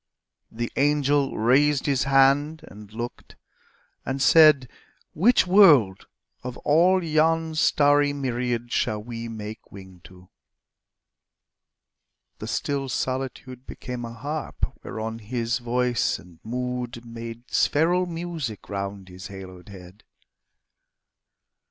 The angel raised his hand and looked and said, "Which world, of all yon starry myriad Shall we make wing to?" The still solitude Became a harp whereon his voice and mood Made spheral music round his haloed head.